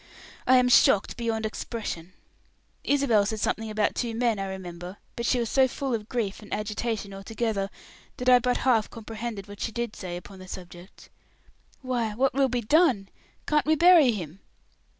I am shocked beyond expression. Isabel said something about two men, I remember; but she was so full of grief and agitation altogether, that I but half comprehended what she did say upon the subject. Why, what will be done? Can't we bury him?"